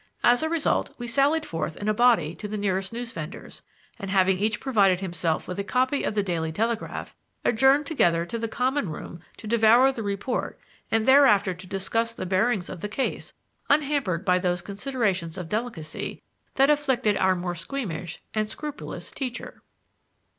As a result, we sallied forth in a body to the nearest news vendor's, and, having each provided himself with a copy of the Daily Telegraph, adjourned together to the Common room to devour the report and thereafter to discuss the bearings of the case, unhampered by those considerations of delicacy that afflicted our more squeamish and scrupulous teacher.